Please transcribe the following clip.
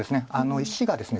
石がですね